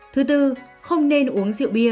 thứ tư không nên uống rượu bia